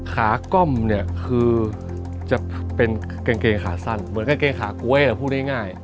ขาก้อมเนี่ยคือจะเป็นกางเกงขาสั้นเหมือนกางเกงขาก๊วยพูดง่าย